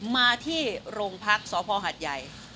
มาที่โรงพักษ์สพหัดใหญ่